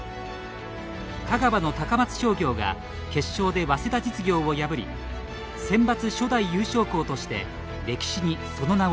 香川の高松商業が決勝で早稲田実業を破りセンバツ初代優勝校として歴史にその名を刻みました。